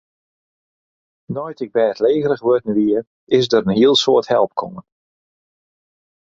Nei't ik bêdlegerich wurden wie, is der in heel soad help kommen.